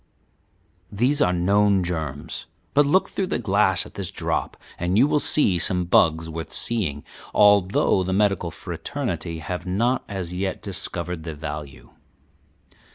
"These are known germs, but look through the glass at this drop, and you will see some bugs worth seeing, although the medical fraternity have not as yet discovered their value.